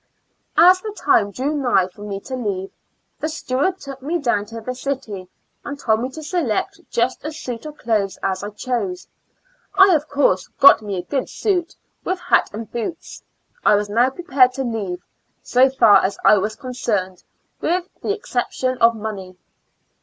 As the time drew nigh for me to leave, the steward took me down to the city and told me to select just such a suit of clothes as I chose. I, of course, got me a good suit, with hat and boots. I was now prepared to leave, so far as I was concerned, with the exception of money.